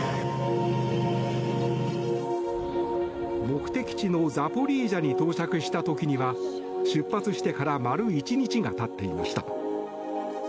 目的地のザポリージャに到着した時には出発してから丸１日がたっていました。